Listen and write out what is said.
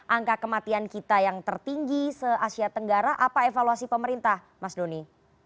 angka kematian kita yang tertinggi se asia tenggara apa evaluasi pemerintah mas doni